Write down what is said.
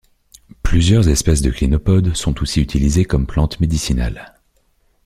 Plusieurs espèces de Clinopodes sont aussi utilisées comme plantes médicinales.